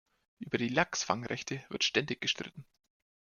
Über die Lachsfangrechte wird ständig gestritten.